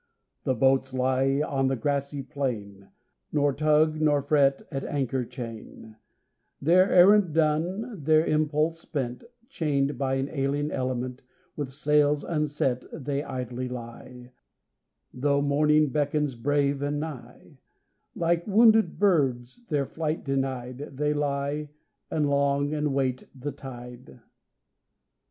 The boats lie on the grassy plain, Nor tug nor fret at anchor chain; Their errand done, their impulse spent, Chained by an alien element, With sails unset they idly lie, Though morning beckons brave and nigh; Like wounded birds, their flight denied, They lie, and long and wait the tide.